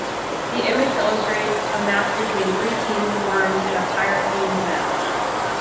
The image illustrates a match between three teams of worms in a pirate-themed map.